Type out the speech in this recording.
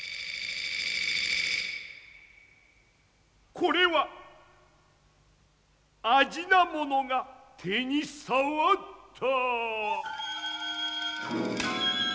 これはあじなものが手にさわった。